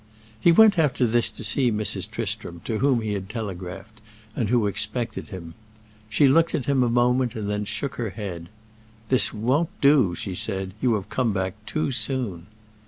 He went after this to see Mrs. Tristram, to whom he had telegraphed, and who expected him. She looked at him a moment and shook her head. "This won't do," she said; "you have come back too soon."